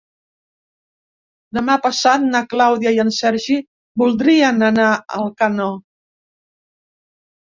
Demà passat na Clàudia i en Sergi voldrien anar a Alcanó.